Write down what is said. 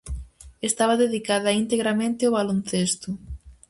Estaba dedicada integramente ao baloncesto.